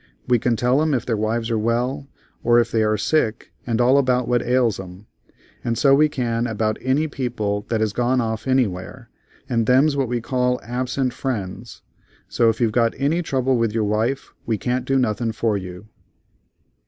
We can tell 'em if their wives are well, or if they're sick and all about what ails 'em, and so we can about any people that is gone off anywhere, and them's what we call 'absent friends.' So if you've got any trouble with your wife we can't do nothin' for you."